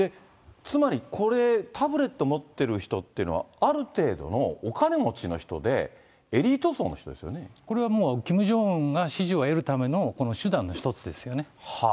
つまりこれ、タブレット持ってる人っていうのは、ある程度のお金持ちの人で、これはもう、キム・ジョンウンが支持を得るためのこの手段の一つですよね。